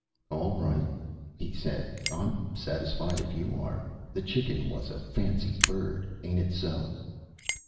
"All right," he said. "I'm satisfied if you are. The chicken was a fancy bird, ain't it so?"